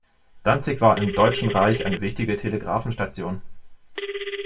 Danzig war im Deutschen Reich eine wichtige Telegrafenstation.